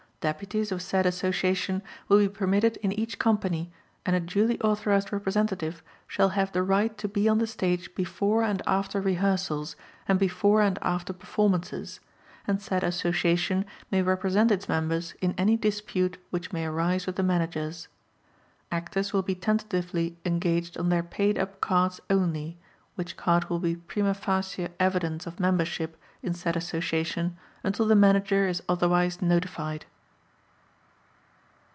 Deputies of said Association will be permitted in each company and a duly authorized representative shall have the right to be on the stage before and after rehearsals and before and after performances, and said Association may represent its members in any dispute which may arise with the managers. Actors will be tentatively engaged on their paid up cards only, which card will be prima facie evidence of membership in said Association until the Manager is otherwise notified.